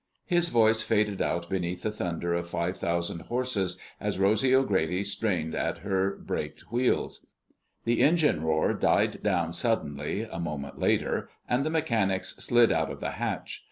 His voice faded out beneath the thunder of five thousand horses, as Rosy O'Grady strained at her braked wheels. The engine roar died down suddenly, a moment later, and the mechanics slid out of the hatch.